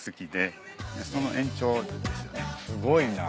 すごいな。